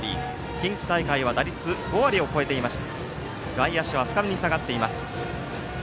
近畿大会は打率５割を超えています。